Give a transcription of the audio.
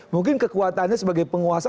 mungkin kekuatannya sebagai penguasa